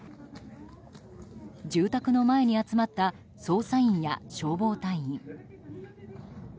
住宅の前に集まった捜査員や消防隊員。